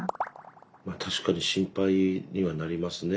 まあ確かに心配にはなりますね。